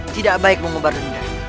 tidak baik mengubah dendam